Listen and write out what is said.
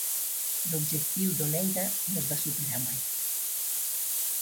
L'objectiu d'Oneida no es va superar mai.